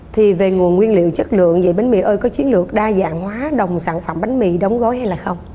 thì về nguồn nguyên liệu chất lượng dạy bánh mì ơi có chiến lược đa dạng hóa đồng sản phẩm bánh mì đóng gói hay là không